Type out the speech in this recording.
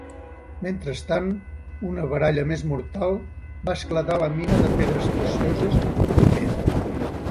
Mentrestant, una baralla més mortal va esclatar a la mina de pedres precioses propera.